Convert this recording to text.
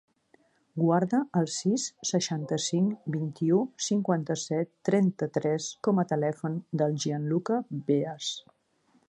Guarda el sis, seixanta-cinc, vint-i-u, cinquanta-set, trenta-tres com a telèfon del Gianluca Beas.